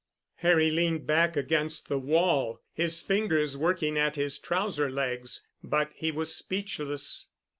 Harry leaned back against the wall, his fingers working at his trouser legs, but he was speechless.